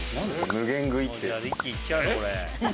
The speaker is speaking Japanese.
無限食いって・・えっ？